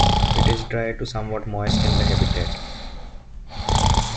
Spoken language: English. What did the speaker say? It is dry to somewhat moist in the habitat.